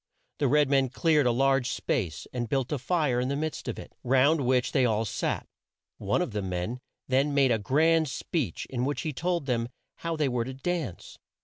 The red men cleared a large space, and built a fire in the midst of it, round which they all sat. One of the men then made a grand speech in which he told them how they were to dance.